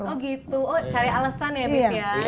oh gitu cari alasan ya habib ya